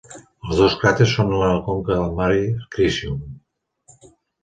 Els dos cràters són a la conca del Mare Crisium.